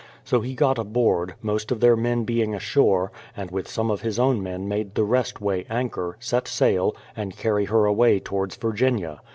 So he got aboard, most of their men being ashore, and with some of his own men made the rest weigh anchor, set sail, and carry her away towards Virginia.